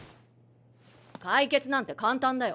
解決なんて簡単だよ。